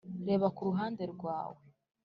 reba kuruhande rwawe